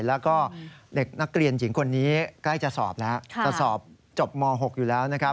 แล้วก็เด็กนักเรียนหญิงคนนี้ใกล้จะสอบแล้วจะสอบจบม๖อยู่แล้ว